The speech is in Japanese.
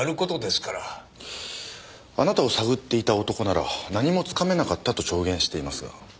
あなたを探っていた男なら何もつかめなかったと証言していますが。